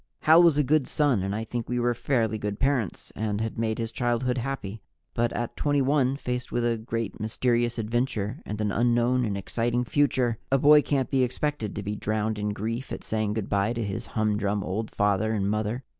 Hal was a good son and I think we were fairly good parents and had made his childhood happy. But at 21, faced with a great, mysterious adventure and an unknown and exciting future, a boy can't be expected to be drowned in grief at saying good by to his humdrum old father and mother.